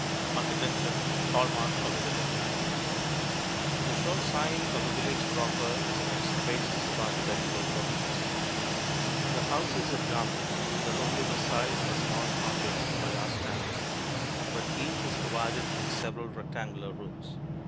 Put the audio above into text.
ARCHITECTURE: HALL MARK OF THE VILLAGE The sure sign of the village proper is in its traces of architectural permanence. The houses of Jarmo were only the size of a small cottage by our standards, but each was provided with several rectangular rooms.